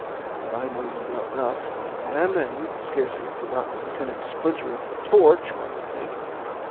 But I know you well enough, my man; and you can scarcely have forgotten Lieutenant Splinter of the Torch, one would think?"